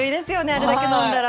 あれだけ飲んだら。